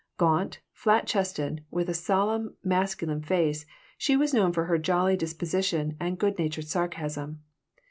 Gaunt, flat chested, with a solemn masculine face, she was known for her jolly disposition and good natured sarcasm.